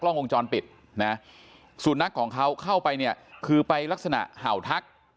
ลวงจรปิดนะสุนัขของเขาเข้าไปเนี่ยคือไปลักษณะเห่าทัก